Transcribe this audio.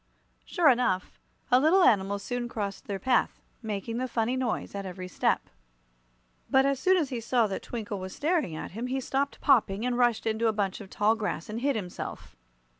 Sure enough, a little animal soon crossed their path, making the funny noise at every step. But as soon as he saw that Twinkle was staring at him he stopped popping and rushed into a bunch of tall grass and hid himself.